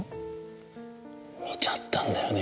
見ちゃったんだよね